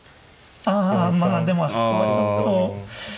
ああまあでもあそこはちょっと。